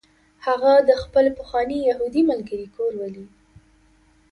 هغه د خپل پخواني یهودي ملګري کور ولید